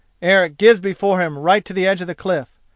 Eric gives before him right to the edge of the cliff.